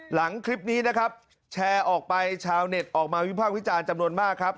หลังคลิปนี้นะครับแชร์ออกไปชาวเน็ตออกมาวิภาควิจารณ์จำนวนมากครับ